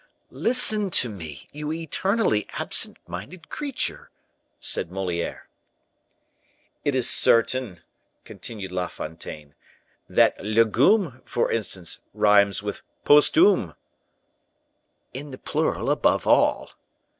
"Listen to me, you eternally absent minded creature," said Moliere. "It is certain," continued La Fontaine, "that legume, for instance, rhymes with posthume." "In the plural, above all."